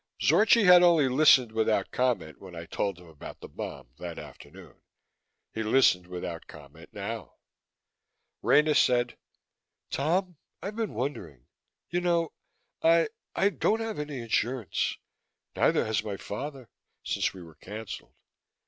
Zorchi had only listened without comment, when I told him about the bomb that afternoon; he listened without comment now. Rena said: "Tom, I've been wondering. You know, I I don't have any insurance. Neither has my father, since we were canceled.